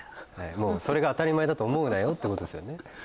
もうそれが当たり前だと思うなよってことですよね